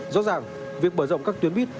rõ ràng việc bởi rộng các tuyến buýt